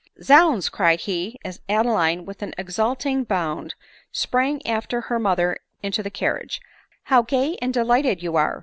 " Zounds!" cried he, as Adeline, with an exulting bound, sprang after her mother into the carriage, " how gay and delighted you are